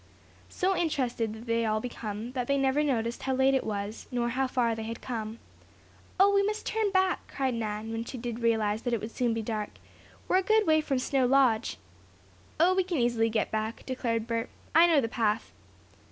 So interested did they all become that they never noticed how late it was, nor how far they had come. "Oh, we must turn back!" cried Nan, when she did realize that it would soon be dark. "We're a good way from Snow Lodge." "Oh, we can easily get back," declared Bert. "I know the path."